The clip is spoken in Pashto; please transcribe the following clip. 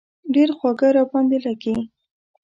ډېر خواږه را باندې لږي.